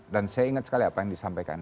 dan saya ingat sekali apa yang disampaikan